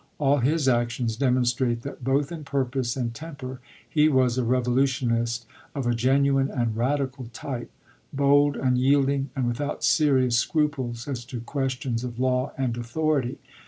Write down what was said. All his actions demonstrate that both in purpose and temper he was a revolu tionist of a genuine and radical type, bold, unyield ing, and without serious scruples as to questions of law and authority.